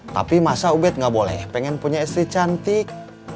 tapi masa ubed nggak boleh pengen punya istri cantik